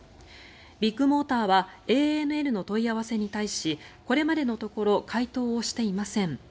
ビッグモーターはＡＮＮの問い合わせに対しこれまでのところ回答をしていません。